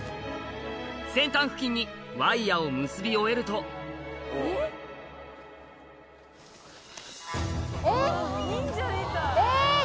先端付近にワイヤを結び終えるとえっ！